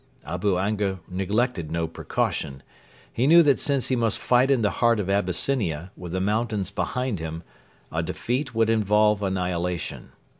Abu Anga neglected no precaution. He knew that since he must fight in the heart of Abyssinia, with the mountains behind him, a defeat would involve annihilation.